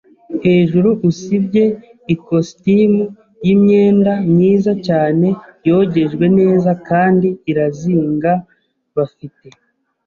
hejuru usibye ikositimu yimyenda myiza cyane, yogejwe neza kandi irazinga. Bafite